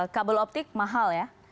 kabel optik mahal ya